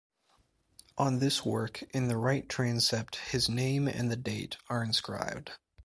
On this work, in the right transept, his name and the date are inscribed.